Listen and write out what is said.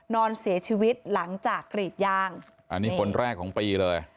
นอนเสียชีวิตหลังจากกรีดยางอันนี้คนแรกของปีเลย